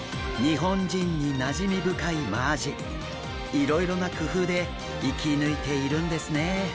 いろいろな工夫で生き抜いているんですね。